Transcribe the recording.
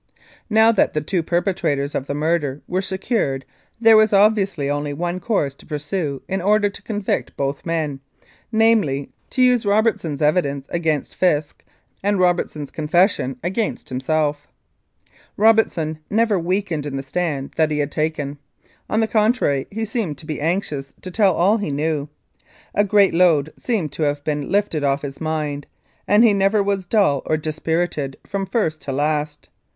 Now that the two perpetrators of the murder were secured there was obviously only one course to pursue in order to convict both men, namely, to use Robert son's evidence against Fisk and Robertson's confession against himself. Robertson never weakened in the stand that he had taken. On the contrary, he seemed to be anxious to tell all he knew. A great load seemed to have been lifted off his mind, and he never was dull or dispirited from first to last.